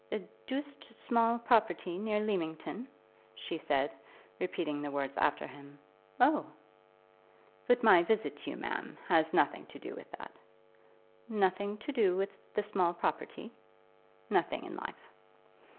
"A doosed small property near Leamington," she said, repeating the words after him. "Oh!" "But my visit to you, ma'am, has nothing to do with that." "Nothing to do with the small property." "Nothing in life."